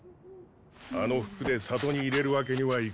あの服で里に入れるわけにはいかん。